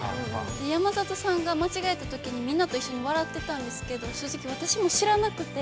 山里さんが間違えたときにみんなと一緒に笑ってたんですけど、正直、私も知らなくて。